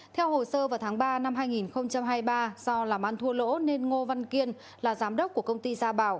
theo hồ sơ vào tháng ba năm hai nghìn hai mươi ba do làm ăn thua lỗ nên ngô văn kiên là giám đốc của công ty gia bảo